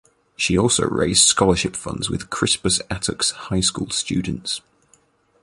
She also raised scholarship funds for Crispus Attucks High School students.